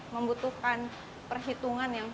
membutuhkan perhitungan yang